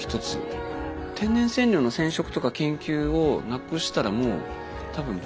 天然染料の染色とか研究をなくしたらもう多分僕ではない。